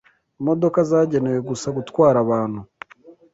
imodoka zagenewe gusa gutwara abantu